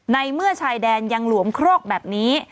ในเมื่อชายแดนยังหลวมครอกแบบนี้